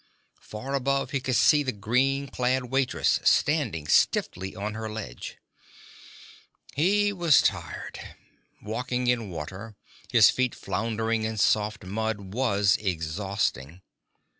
Far above he could see the green clad waitress standing stiffly on her ledge. He was tired. Walking in water, his feet floundering in soft mud, was exhausting.